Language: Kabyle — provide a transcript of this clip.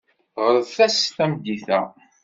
Ɣret-as tameddit-a.